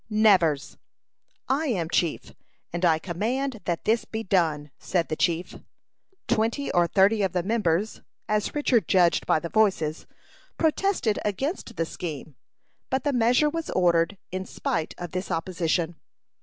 "Nevers." "I am chief, and I command that this be done," said the chief. Twenty or thirty of the members, as Richard judged by the voices, protested against the scheme; but the measure was ordered in spite of this opposition.